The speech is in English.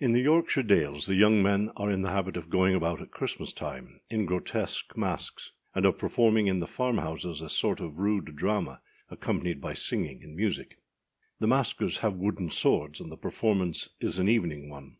[IN the Yorkshire dales the young men are in the habit of going about at Christmas time in grotesque masks, and of performing in the farm houses a sort of rude drama, accompanied by singing and music. The maskers have wooden swords, and the performance is an evening one.